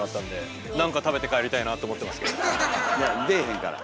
いや出えへんから。